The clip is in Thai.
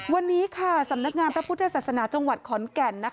วันนี้สำนักงานพระพุทธศาสนาจังหวัดขอนแก่น